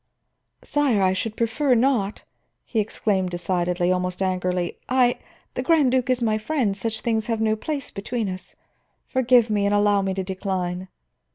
"Sire, I should prefer not!" he exclaimed decidedly, almost angrily. "I the Grand Duke is my friend; such things have no place between us. Forgive me, and allow me to decline."